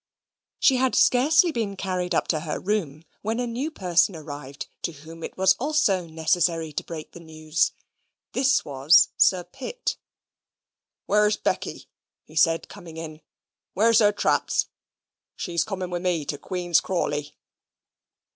She had scarcely been carried up to her room, when a new person arrived to whom it was also necessary to break the news. This was Sir Pitt. "Where's Becky?" he said, coming in. "Where's her traps? She's coming with me to Queen's Crawley."